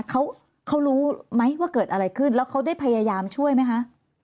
เขาเขารู้ไหมว่าเกิดอะไรขึ้นแล้วเขาได้พยายามช่วยไหมคะ